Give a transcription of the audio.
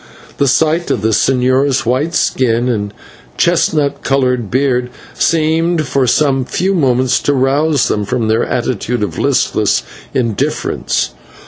The sight of the señor's white skin and chestnut coloured beard seemed for some few moments to rouse them from their attitude of listless indifference.